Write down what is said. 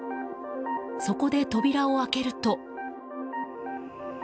そこで、扉を開けると。